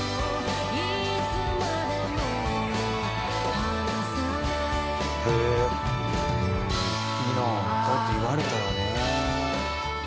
「こうやって言われたらね」